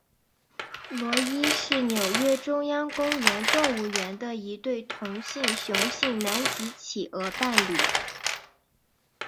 罗伊是纽约中央公园动物园的一对同性雄性南极企鹅伴侣。